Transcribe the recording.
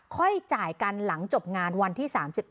จ่ายกันหลังจบงานวันที่๓๑